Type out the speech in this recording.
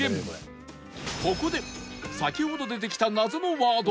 ここで先ほど出てきた謎のワード